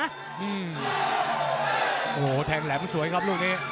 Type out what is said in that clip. โอ้โหแทงแหลมสวยครับลูกนี้